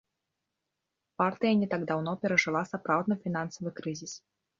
Партыя не так даўно перажыла сапраўдны фінансавы крызіс.